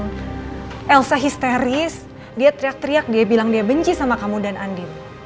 dan elsa histeris dia teriak teriak dia bilang dia benci sama kamu dan andi